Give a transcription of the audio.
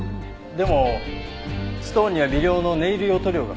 でもストーンには微量のネイル用塗料が付着していました。